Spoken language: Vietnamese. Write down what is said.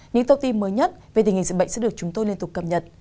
những thông tin mới nhất về tình hình dịch bệnh sẽ được chúng tôi liên tục cập nhật